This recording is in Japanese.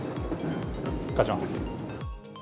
勝ちます。